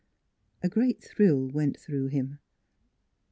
" A great thrill went through him.